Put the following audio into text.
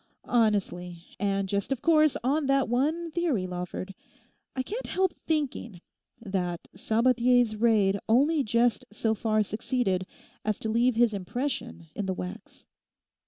Honestly, and just of course on that one theory, Lawford, I can't help thinking that Sabathier's raid only just so far succeeded as to leave his impression in the wax.